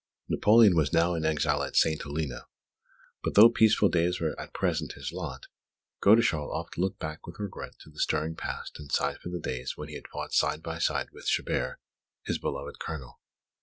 Napoleon was now in exile at St Helena; but though peaceful days were at present his lot, Godeschal oft looked back with regret to the stirring past and sighed for the days when he had fought side by side with Chabert, his beloved Colonel.